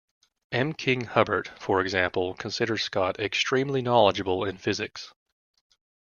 M. King Hubbert, for example, considered Scott extremely knowledgeable in physics.